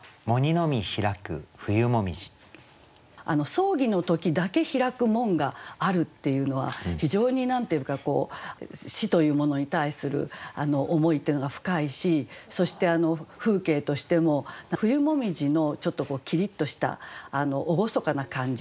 葬儀の時だけ開く門があるっていうのは非常に何て言うのかこう死というものに対する思いっていうのが深いしそして風景としても冬紅葉のちょっとキリッとした厳かな感じ